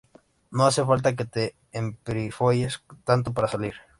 No hace falta que te emperifolles tanto para salir